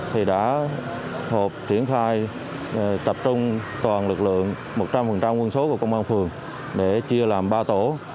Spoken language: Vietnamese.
thì đã triển khai tập trung toàn lực lượng một trăm linh quân số của công an phường để chia làm ba tổ